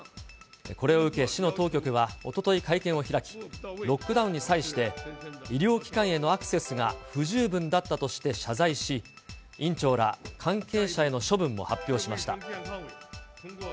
これを受け、市の当局はおととい会見を開き、ロックダウンに際して、医療機関へのアクセスが不十分だったとして謝罪し、院長ら関係者への処分も発表しました。